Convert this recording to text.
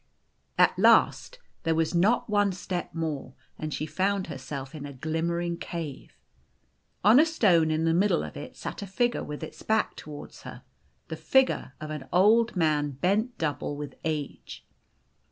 At last there was not one step more, and she found herself in a glimmering cave. On a stone in the middle of it sat a figure with its back towards her O the figure of an old man bent double with aoje.